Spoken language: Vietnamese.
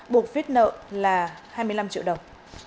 buộc viết nợ là hai mươi năm triệu đồng